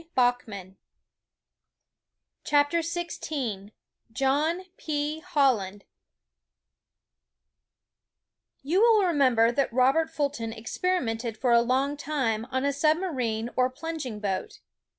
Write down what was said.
Holland and the Submaione You will remember that Robert Fulton experimented for a long time on a submarine or plunging boat.